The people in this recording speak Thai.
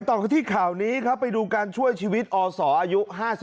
ต่อกันที่ข่าวนี้ครับไปดูการช่วยชีวิตอศอายุ๕๓